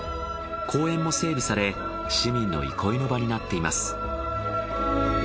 公園も整備され市民の憩いの場になっています。